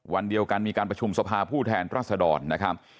วันเดียวกันมีการประชุมสภาผู้แทนรัศดรนะครับ